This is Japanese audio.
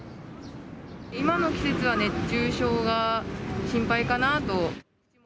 今の季節は熱中症が心配かなと。